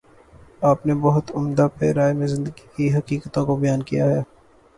آپ نے بہت عمدہ پیراۓ میں زندگی کی حقیقتوں کو بیان کیا ہے۔